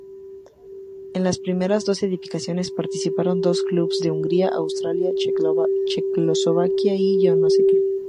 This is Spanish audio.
En las primeras dos ediciones participaron dos clubes de Hungría, Austria, Checoslovaquia y Yugoslavia.